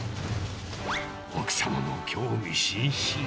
奥様も興味津々。